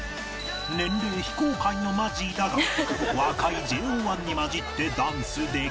年齢非公開のマジーだが若い ＪＯ１ に交じってダンスできるのか？